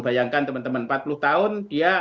bayangkan teman teman empat puluh tahun dia